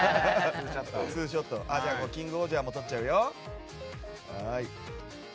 キングオージャーも撮っちゃうよ。